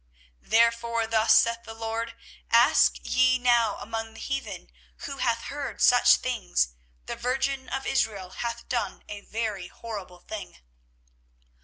24:018:013 Therefore thus saith the LORD; Ask ye now among the heathen, who hath heard such things: the virgin of Israel hath done a very horrible thing.